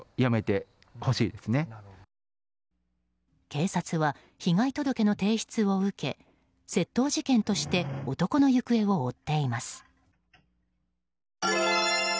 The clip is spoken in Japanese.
警察は、被害届の提出を受け窃盗事件として男の行方を追っています。